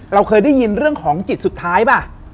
เราเคยได้ยินเรื่องของจิตสุดท้ายป่ะ